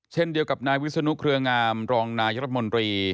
เช่นเดียวกับนายวิศนุเครืองามรองนายรัฐมนตรี